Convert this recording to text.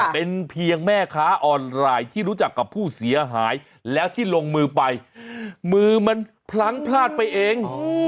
เป็นเพียงแม่ค้าออนไลน์ที่รู้จักกับผู้เสียหายแล้วที่ลงมือไปมือมันพลั้งพลาดไปเอง